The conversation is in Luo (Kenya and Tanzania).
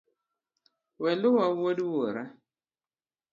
Weluwa wuod wuorwa.